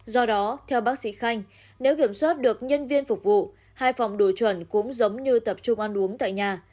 do đó theo bác sĩ khanh nếu kiểm soát được nhân viên phục vụ hai phòng đổi chuẩn cũng giống như tập trung ăn uống tại nhà